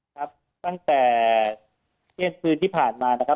ครับตั้งแต่เที่ยงคืนที่ผ่านมานะครับ